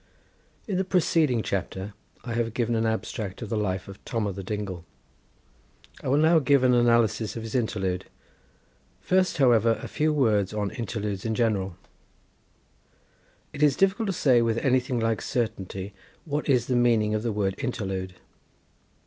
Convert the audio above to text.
In the preceding chapter I have given an abstract of the life of Tom O' the Dingle; I will now give an analysis of his interlude; first, however, a few words on interludes in general. It is difficult to say, with anything like certainty, what is the meaning of the word interlude.